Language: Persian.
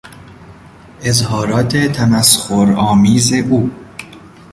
اظهارات تمسخرآمیز او